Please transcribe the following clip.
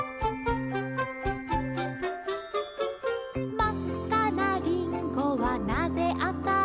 「まっかなリンゴはなぜあかい」